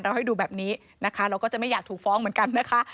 ให้ดูแบบนี้นะคะเราก็จะไม่อยากถูกฟ้องเหมือนกันนะคะ